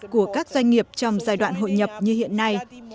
của các doanh nghiệp trong giai đoạn hội nhập như hiện nay